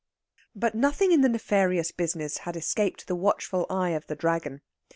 But nothing in the nefarious business had escaped the watchful eye of the Dragon.